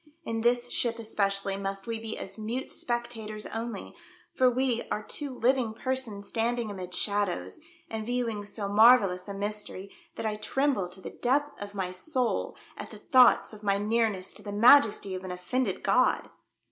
In this ship especially must we be as mute spectators only, for we are two living persons standing amid shadows, and viewing so marvellous a mystery that I tremble to the depth of my soul at the thoughts of my nearness to the Majesty of an offended God